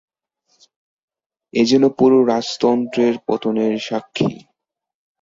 এ যেন পুরো রাজতন্ত্রের পতনের সাক্ষী।